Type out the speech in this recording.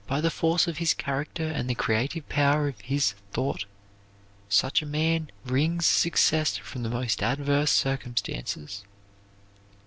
By the force of his character and the creative power of his thought, such a man wrings success from the most adverse circumstances.